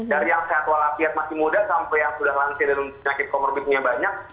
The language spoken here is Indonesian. dari yang sehat walafiat masih muda sampai yang sudah langsir dan penyakit komorbidnya banyak